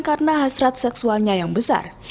karena hasrat seksualnya yang besar